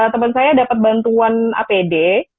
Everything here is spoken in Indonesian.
teman saya dapat bantuan apd